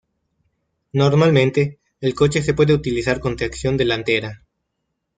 Normalmente, el coche se puede utilizar con tracción delantera.